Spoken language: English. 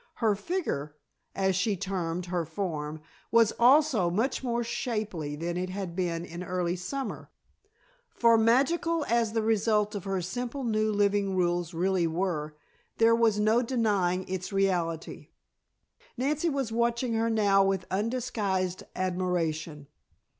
Her "figger," as she termed her form, was also much more shapely than it had been in early summer, for magical as the result of her simple new living rules really were, there was no denying its reality. Nancy was watching her now with undisguised admiration.